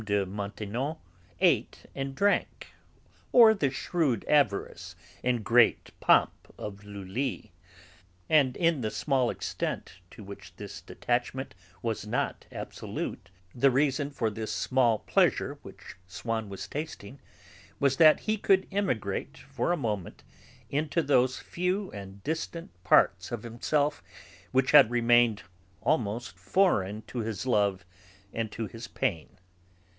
de Maintenon ate and drank, or the shrewd avarice and great pomp of Lulli. And in the small extent to which this detachment was not absolute, the reason for this new pleasure which Swann was tasting was that he could emigrate for a moment into those few and distant parts of himself which had remained almost foreign to his love and to his pain.